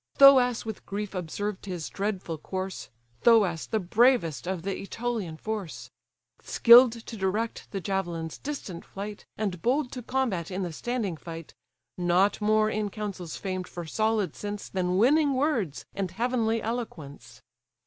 Thoas with grief observed his dreadful course, Thoas, the bravest of the Ætolian force; Skill'd to direct the javelin's distant flight, And bold to combat in the standing fight, Not more in councils famed for solid sense, Than winning words and heavenly eloquence.